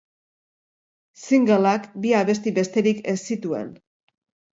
Singleak bi abesti besterik ez zituen.